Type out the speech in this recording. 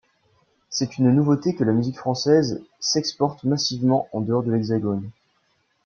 C'est une nouveauté que la musique française s'exporte massivement en dehors de l'hexagone.